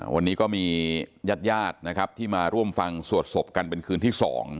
วันนี้ก็มีแยดที่มาร่วมฟังสวดศพกันเป็นคืนที่๒